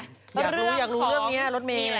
อยากรู้อยากรู้เรื่องนี้รถเมย์